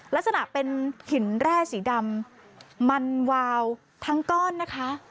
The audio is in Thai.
ลักษณะเป็นหินแร่สีดำมันวาวทั้งก้อนนะคะ